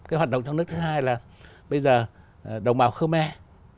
cái hoạt động trong nước thứ hai là bây giờ đồng bào khmer